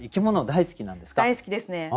大好きですね。